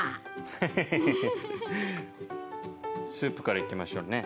スープからいきましょうね。